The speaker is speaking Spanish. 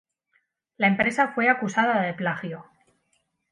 La empresa fue acusada de plagio.